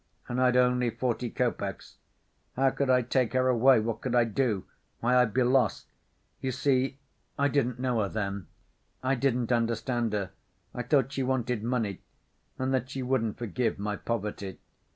And I'd only forty copecks; how could I take her away, what could I do? Why, I'd be lost. You see, I didn't know her then, I didn't understand her, I thought she wanted money, and that she wouldn't forgive my poverty.